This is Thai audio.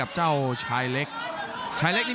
และอัพพิวัตรสอสมนึก